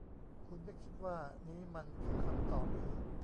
คุณไม่คิดว่านี้มันคือคำตอบหรือ ?